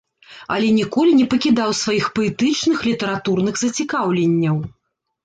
Але ніколі не пакідаў сваіх паэтычных, літаратурных зацікаўленняў.